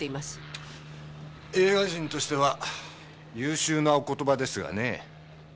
映画人としては優秀なお言葉ですがねぇ。